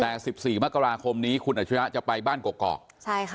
แต่สิบสี่มกราคมนี้คุณอาชิระจะไปบ้านกอกใช่ค่ะ